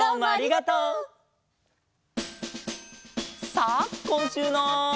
さあこんしゅうの。